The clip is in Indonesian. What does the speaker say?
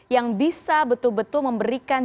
yang bisa betul betul memberikan